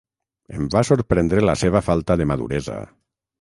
Em va sorprendre la seva falta de maduresa.